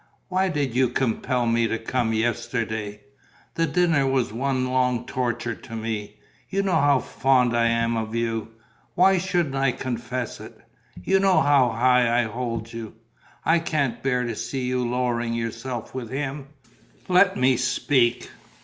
Why did you compel me to come yesterday? The dinner was one long torture to me. You know how fond I am of you: why shouldn't I confess it? You know how high I hold you. I can't bear to see you lowering yourself with him. Let me speak.